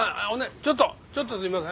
ちょっとちょっとすいません。